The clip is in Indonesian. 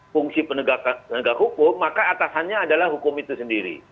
fungsi penegak hukum maka atasannya adalah hukum itu sendiri